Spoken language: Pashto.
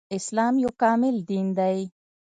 اسلام يو کامل دين دی